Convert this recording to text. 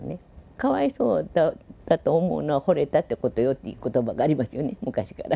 かわいそうだと思うのは、ほれたってことよっていうことばがありますよね、昔から。